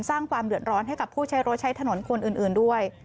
สร้างความเดือดร้อนให้กับผู้ใช้รถใช้ถนนคนอื่นด้วย